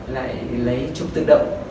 lại lấy chút tự động